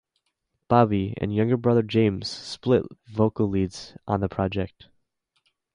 Bobby and younger brother James split vocal leads on the project.